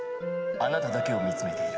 「あなただけを見つめている」。